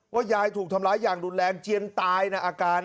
ยายถูกทำร้ายอย่างรุนแรงเจียนตายนะอาการ